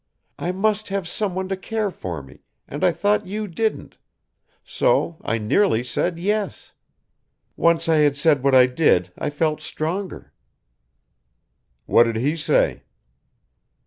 I must have someone to care for me and I thought you didn't so I nearly said 'yes.' Once I had said what I did I felt stronger." "What did he say?"